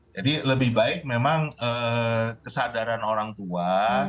jadi lebih baik memang kesadaran orang tua